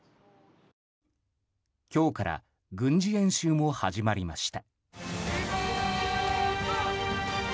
今日から軍事演習も始まりました。